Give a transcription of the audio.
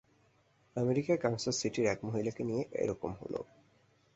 আমেরিকায় কানসাস সিটির এক মহিলাকে নিয়ে এ-রকম হল।